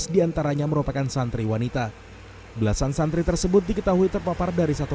diantaranya merupakan santri wanita belasan santri tersebut diketahui terpapar dari satu